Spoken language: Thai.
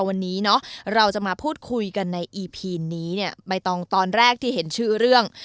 วันนี้เราจะมาพูดคุยกันในอีพีนี้ไปตอนแรกที่เห็นชื่อเรื่อง